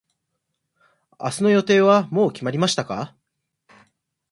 明日の予定はもう決まりましたか。